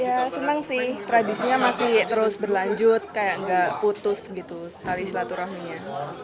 ya senang sih tradisinya masih terus berlanjut kayak nggak putus gitu tari silaturahminya